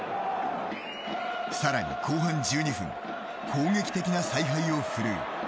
さらに後半１２分攻撃的な采配を振るう。